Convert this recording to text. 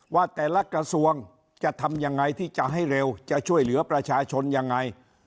ว่าแต่ละกระทรวงจะทำยังไงที่จะให้เร็วจะช่วยเหลือประชาชนยังไง